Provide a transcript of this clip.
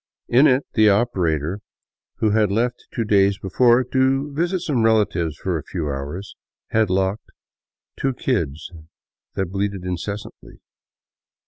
In it the operator, who had left two days before to " visit some relatives for a few hours," had locked two kids that bleated incessantly.